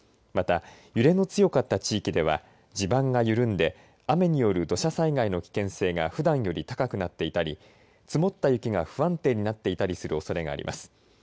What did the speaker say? また、揺れの強かった地域では地盤が緩んで雨による土砂災害の危険性がふだんより高くなっていたり積もった雪が不安定になっていたりするおそれがあります。